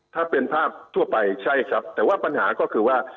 ถ้าเป็นภาพทั่วไปใช่ครับแต่ว่าปัญหาก็คือว่า